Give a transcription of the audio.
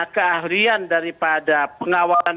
keahlian daripada pengawalan